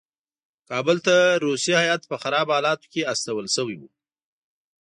کابل ته روسي هیات په خرابو حالاتو کې استول شوی وو.